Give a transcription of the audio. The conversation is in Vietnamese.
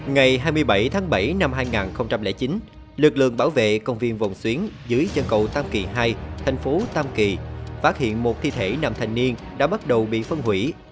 ngày hai mươi bảy tháng bảy năm hai nghìn chín lực lượng bảo vệ công viên vòng xuyến dưới chân cầu tam kỳ hai thành phố tam kỳ phát hiện một thi thể nam thành niên đã bắt đầu bị phân hủy